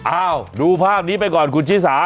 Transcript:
ดูภาพนี้ไปก่อนคุณชิสา